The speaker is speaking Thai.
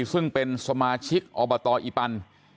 ซึ่งเป็นสมาชิกอบตอีปัน